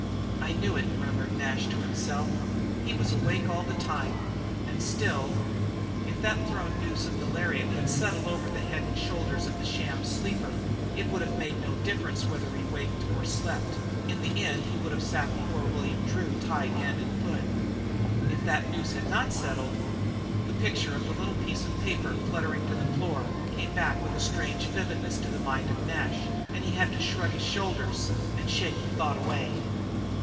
"I knew it," murmured Nash to himself. "He was awake all the time. And still " If that thrown noose of the lariat had settled over the head and shoulders of the sham sleeper it would have made no difference whether he waked or slept in the end he would have sat before William Drew tied hand and foot. If that noose had not settled? The picture of the little piece of paper fluttering to the floor came back with a strange vividness to the mind of Nash, and he had to shrug his shoulders to shake the thought away.